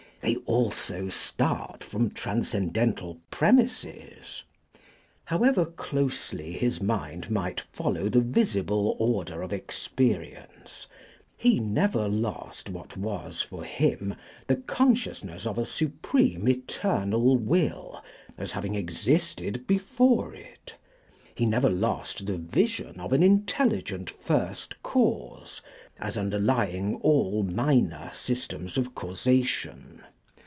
They also start from transcendental premises. However closely his mind might follow the visible order of experience, he never lost what was for him the consciousness of a Supreme Eternal Will as having existed before it; he never lost the vision of an intelligent First Cause, as underlying all minor systems of causation.